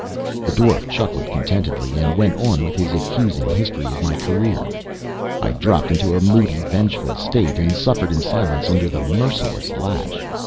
The dwarf chuckled contentedly, and went on with his accusing history of my career. I dropped into a moody, vengeful state, and suffered in silence under the merciless lash.